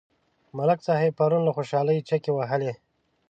ملک صاحب پرون له خوشحالۍ چکې وهلې.